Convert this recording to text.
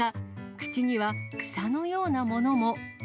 口には草のようなものも。